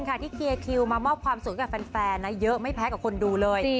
ที่เคลียร์คิวมามอบความสุขกับแฟนเยอะไม่แพ้กับคนดูเลย